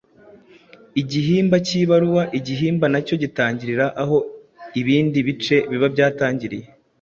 Igihimba k’ibaruwa Igihimba na cyo gitangirira aho ibindi bice biba byatangiriye